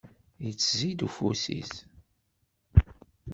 yettzid ufus-is.